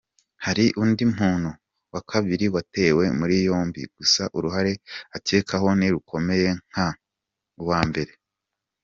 Hari undi muntu wa kabiri watawe muri yombi, gusa uruhare akekwaho ntirukomeye nk’urw’uwa mbere.